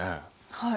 はい。